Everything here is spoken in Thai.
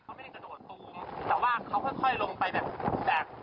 เออใช่เขาไม่ได้กระโดดตูม